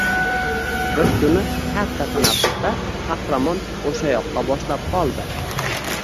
Bir kuni katta tanaffusda Qahramon o‘sha yoqqa boshlab qoldi.